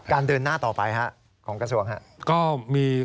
การเดินหน้าต่อไปของกระทรวง